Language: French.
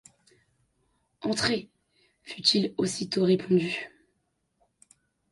Entrez », fut-il aussitôt répondu.